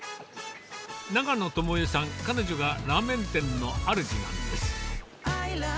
永野知枝さん、彼女がラーメン店の主なんです。